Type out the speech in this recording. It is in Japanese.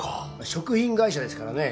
食品会社ですからね。